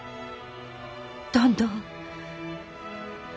どんどん。